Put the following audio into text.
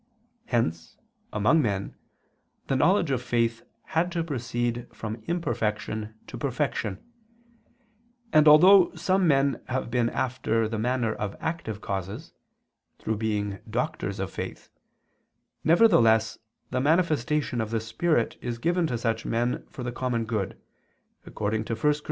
Hence, among men, the knowledge of faith had to proceed from imperfection to perfection; and, although some men have been after the manner of active causes, through being doctors of faith, nevertheless the manifestation of the Spirit is given to such men for the common good, according to 1 Cor.